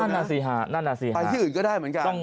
นั่นอาสีฮะนั่นอาสีฮะไปที่อื่นก็ได้เหมือนกัน